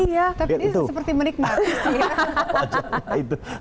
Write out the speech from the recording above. tapi ini seperti menikmati sih